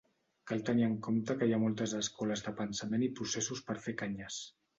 Cal tenir en compte que hi ha moltes escoles de pensament i processos per fer canyes.